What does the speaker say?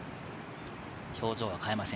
表情は変えません。